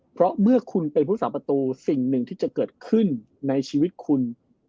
เพราะเมื่อคุณเป็นผู้สาประตูสิ่งหนึ่งที่จะเกิดขึ้นในชีวิตคุณ